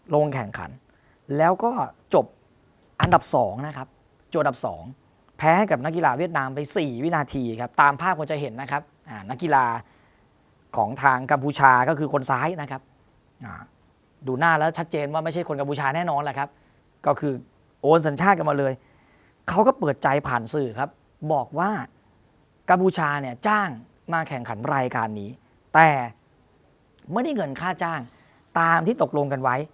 ลงแข่งขันแล้วก็จบอันดับสองนะครับโจทย์อันดับสองแพ้กับนักกีฬาเวียดนามไปสี่วินาทีครับตามภาพคนจะเห็นนะครับอ่านนักกีฬาของทางกัมพูชาก็คือคนซ้ายนะครับอ่าดูหน้าแล้วชัดเจนว่าไม่ใช่คนกัมพูชาแน่นอนแหละครับก็คือโอนสัญชาติกันมาเลยเขาก็เปิดใจผ่านสื่อครับบอกว่ากัมพูชาเนี่ยจ้าง